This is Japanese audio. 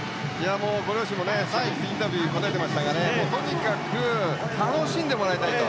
ご両親もインタビューに答えていましたがとにかく楽しんでもらいたいと。